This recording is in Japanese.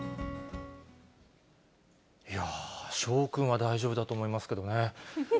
いやー、翔君は大丈夫だと思いますけどね。